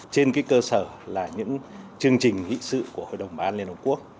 trên cơ sở là những chương trình nghị sự của hội đồng bảo an liên hợp quốc